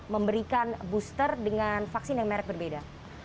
memberikan booster dengan vaksin yang merek berbeda